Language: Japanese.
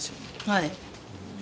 はい。